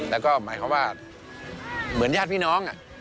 แล้วก็หมายความว่าเหมือนญาติพี่น้อง